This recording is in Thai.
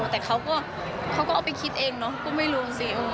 แต่เขาก็เอาไปคิดเองเนาะก็ไม่รู้สิ